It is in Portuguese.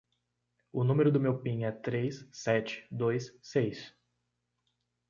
O número do meu pin é três, sete, dois, seis.